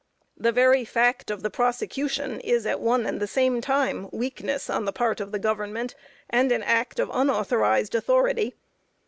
The very fact of the prosecution is at one and the same time weakness on the part of the government, and an act of unauthorized authority.